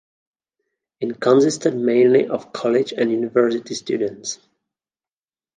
It consisted mainly of college and university students.